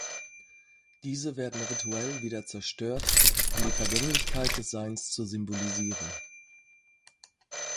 Diese werden rituell wieder zerstört, um die Vergänglichkeit des Seins zu symbolisieren.